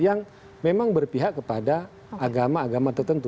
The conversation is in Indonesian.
yang memang berpihak kepada agama agama tertentu